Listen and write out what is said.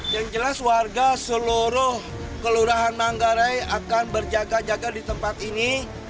yang jelas warga seluruh kelurahan manggarai akan berjaga jaga di tempat ini